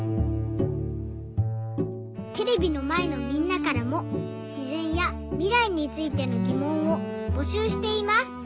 テレビのまえのみんなからもしぜんやみらいについてのぎもんをぼしゅうしています。